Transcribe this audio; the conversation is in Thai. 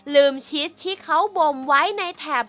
ชีสที่เขาบมไว้ในแถบ